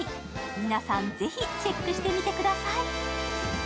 皆さんぜひ、チェックしてみてください。